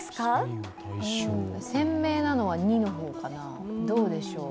鮮明なのは２の方かな、どうでしょう。